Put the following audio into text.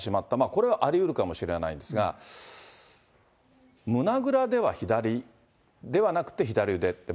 これはありうるかもしれないんですが、胸ぐらではなくて、左腕って。